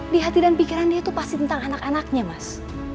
di hati dan pikiran dia itu pasti tentang anak anaknya mas